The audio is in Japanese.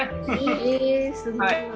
へえすごい。